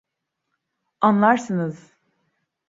Anlarsınız.